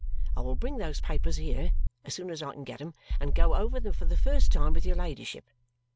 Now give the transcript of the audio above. I will bring those papers here as soon as I get them and go over them for the first time with your ladyship.